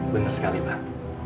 benar sekali pak